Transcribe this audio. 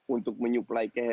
untuk menyuplai kemungkinan